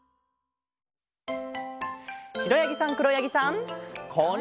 しろやぎさんくろやぎさん。